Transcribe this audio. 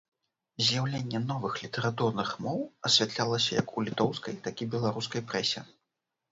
З'яўленне новых літаратурных моў асвятлялася як у літоўскай, так і беларускай прэсе.